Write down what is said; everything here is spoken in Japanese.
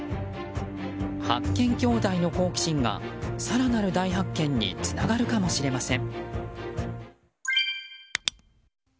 発見兄弟の好奇心が更なる大発見につながるかもしれません。